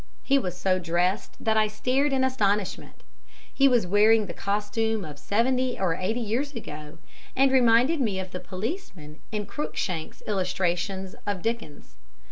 He was so dressed that I stared in astonishment. He was wearing the costume of seventy or eighty years ago, and reminded me of the policemen in Cruikshank's illustrations of Dickens.